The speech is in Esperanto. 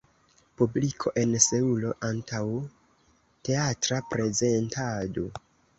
Publiko en Seulo antaŭ teatra prezentado.